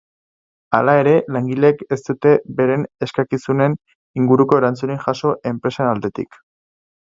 Hala ere, langileek ez dute beren eskakizunen inguruko erantzunik jaso enpresen aldetik.